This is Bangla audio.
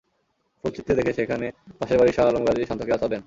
ফুল ছিঁড়তে দেখে সেখানে পাশের বাড়ির শাহ আলম গাজী শান্তকে আছাড় দেন।